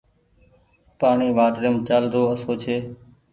پآڻيٚ واٽريم چآلرو آسو ڇي